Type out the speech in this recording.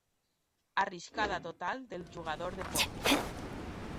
Arriscada total del jugador de pòquer.